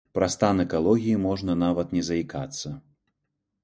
Пра стан экалогіі можна нават не заікацца.